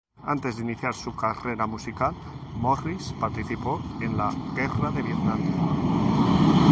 Antes de iniciar su carrera musical, Morris participó en la Guerra de Vietnam.